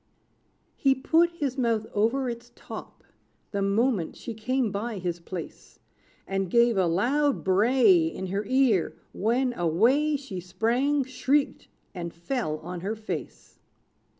He put his mouth over its top, The moment she came by his place; And gave a loud bray In her ear, when, away She sprang, shrieked, and fell on her face.